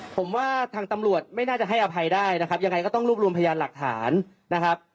ผมว่าทางตำรวจไม่น่าจะให้อภัยได้นะครับยังไงก็ต้องรวบรวมพยานหลักฐานนะครับ